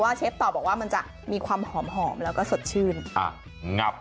ข้างบัวแห่งสันยินดีต้อนรับทุกท่านนะครับ